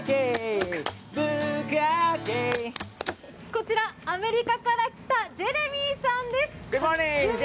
こちら、アメリカから来たジェレミーさんです。